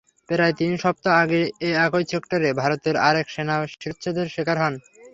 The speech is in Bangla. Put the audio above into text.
প্রায় তিন সপ্তাহ আগে একই সেক্টরে ভারতের আরেক সেনা শিরশ্ছেদের শিকার হন।